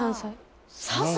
３歳。